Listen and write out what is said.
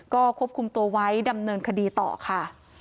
ก็ควบคุมตัวไว้ดำเนินคดีต่อค่ะ